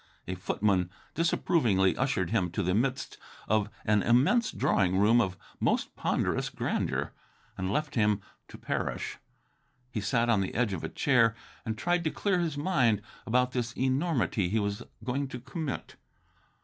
A footman disapprovingly ushered him to the midst of an immense drawing room of most ponderous grandeur, and left him to perish. He sat on the edge of a chair and tried to clear his mind about this enormity he was going to commit.